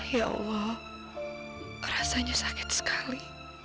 ya allah rasanya sakit sekali